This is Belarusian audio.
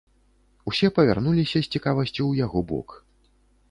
Усе павярнуліся з цікавасцю ў яго бок.